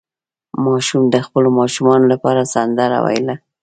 ماشوم د خپلو ماشومانو لپاره سندره ویله.